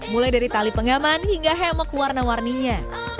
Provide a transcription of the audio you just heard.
mulai dari tali pengaman hingga hemok warna warninya